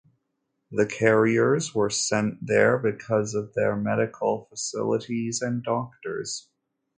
The carriers were sent there because of their medical facilities and doctors.